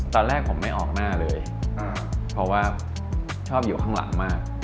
ตอนแรกผมไม่ออกหน้าเลยเพราะว่าชอบอยู่ข้างหลังมาก